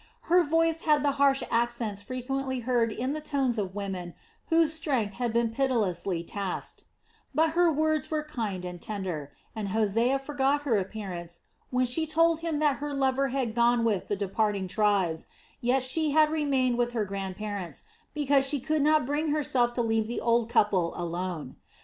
Her voice had the harsh accents frequently heard in the tones of women whose strength has been pitilessly tasked; but her words were kind and tender, and Hosea forgot her appearance when she told him that her lover had gone with the departing tribes, yet she had remained with her grandparents because she could not bring herself to leave the old couple alone.